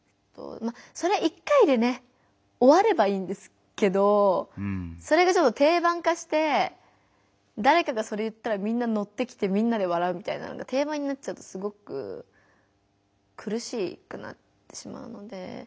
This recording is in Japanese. それ１回でねおわればいいんですけどそれが定番化してだれかがそれ言ったらみんなのってきてみんなで笑うみたいなのが定番になっちゃうとすごくくるしくなってしまうので。